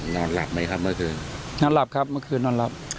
นอนหลับไหมครับเมื่อคืนนอนหลับครับเมื่อคืนนอนหลับ